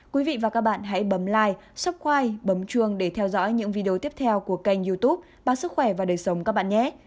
quý vị và các bạn hãy bấm like subscribe bấm chuông để theo dõi những video tiếp theo của kênh youtube bác sức khỏe và đời sống các bạn nhé